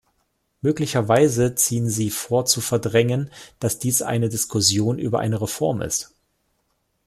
Möglicherweise ziehen sie vor zu verdrängen, dass dies eine Diskussion über eine Reform ist.